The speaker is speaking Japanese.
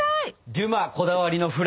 デュマこだわりのフラン！